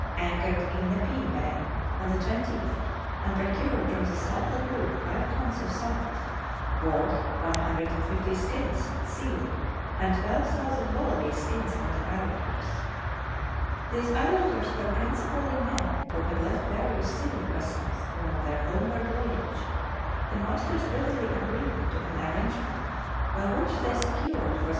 Anchored in Nepean Bay on the 20th, and procured from the Salt Lagoon five tons of salt ; bought 150 skins (seal) and 12,000 wallaby skins from the islanders. These islanders were principally men who had left various sealing vessels when on their homeward voyage, the masters readily agreeing to an arrangement by which they secured for the